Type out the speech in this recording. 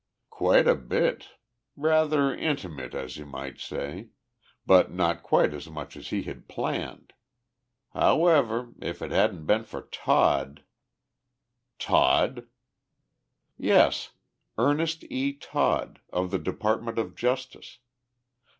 "Quite a bit. Rather intimate, as you might say. But not quite as much as he had planned. However, if it hadn't been for Todd " "Todd?" "Yes Ernest E. Todd, of the Department of Justice.